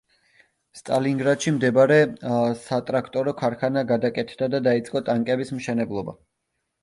სტალინგრადში მდებარე სატრაქტორო ქარხანა გადაკეთდა და დაიწყო ტანკების მშენებლობა.